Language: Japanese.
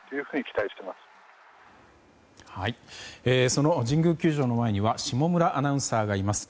その神宮球場の前には下村アナウンサーがいます。